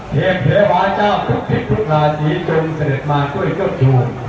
เพียกเทวาเจ้าพุทธิพุทธราชีจงเศรษฐ์มากด้วยเจ้าชู